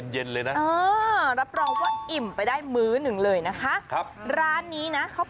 เย็นเลยนะรับปรองว่าอิ่มไปได้มื้อหนึ่งเลยนะคะ